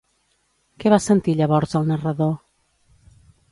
Què va sentir llavors el narrador?